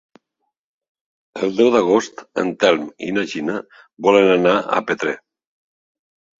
El deu d'agost en Telm i na Gina volen anar a Petrer.